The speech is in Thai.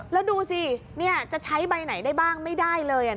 แล้วดูสิจะใช้ใบไหนได้บ้างไม่ได้เลย